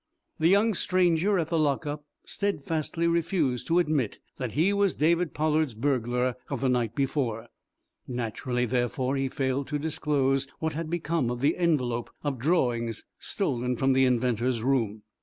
The young stranger at the lock up steadfastly refused to admit that he was David Pollard's burglar of the night before. Naturally, therefore, he failed to disclose what had become of the envelope of drawings stolen from the inventor's room.